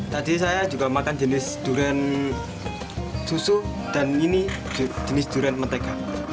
tadi saya juga makan jenis durian susu dan ini jenis durian mentega